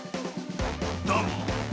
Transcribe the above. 「だが」。